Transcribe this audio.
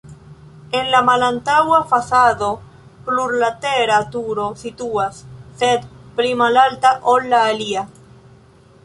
En la malantaŭa fasado plurlatera turo situas, sed pli malalta, ol la alia.